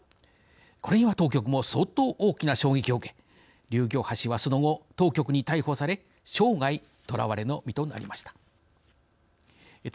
これには当局も相当大きな衝撃を受け劉暁波氏はその後、当局に逮捕され生涯捕らわれの身となりました。